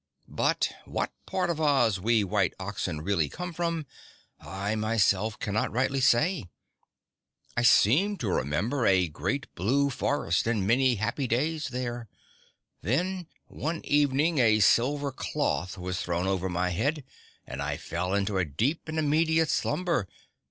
But what part of Oz we white oxen really come from, I myself cannot rightly say. I seem to remember a great blue forest and many happy days there. Then one evening a silver cloth was thrown over my head and I fell into a deep and immediate slumber.